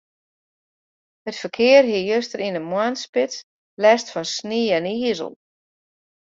It ferkear hie juster yn de moarnsspits lêst fan snie en izel.